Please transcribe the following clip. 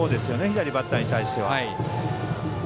左バッターに対しては。